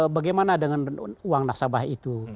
bagaimana dengan uang nasabah itu